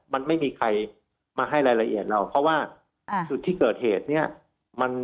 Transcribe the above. มันไม่มีใครมาให้รายละเอียดเราเพราะว่าจุดที่เกิดเหตุเนี่ย